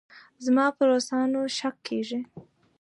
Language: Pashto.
زما په روسانو شک کېږي.